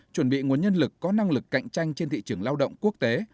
chuẩn bị nguồn nhân lực có năng lực cạnh tranh trên thị trường lao động quốc tế